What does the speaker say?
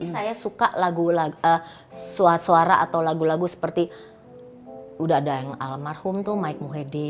saya suka lagu suara atau lagu lagu seperti udah ada yang almarhum tuh mike mohede